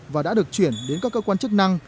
và đã được chuyển đến các cơ quan chức năng